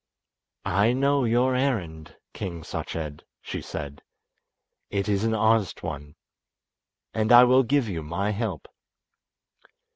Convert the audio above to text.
"I know your errand, King Sached," she said; "it is an honest one, and I will give you my help.